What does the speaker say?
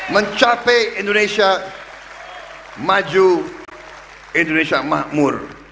mencapai indonesia maju indonesia makmur